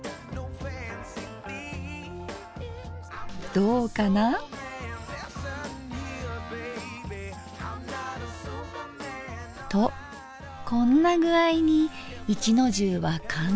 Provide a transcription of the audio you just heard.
どうかな？とこんな具合に一の重は完成。